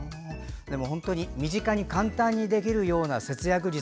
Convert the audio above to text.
本当に身近に簡単にできるような節約術